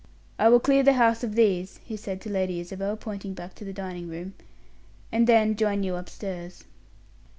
"I will clear the house of these," he said to Lady Isabel, pointing back to the dining room, "and then join you upstairs."